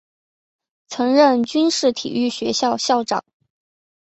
曾任军事体育学校校长。